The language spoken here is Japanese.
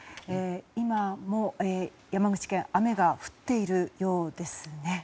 今も山口県雨が降っているようですね。